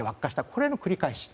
これの繰り返し。